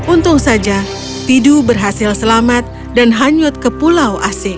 untung saja tidu berhasil selamat dan hanyut ke pulau asing